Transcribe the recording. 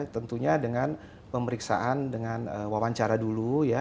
tentunya dengan pemeriksaan dengan wawancara dulu ya